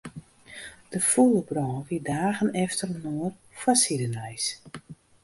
De fûle brân wie dagen efterinoar foarsidenijs.